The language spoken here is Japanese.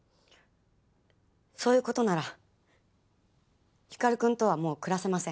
そういうことなら光くんとはもう暮らせません。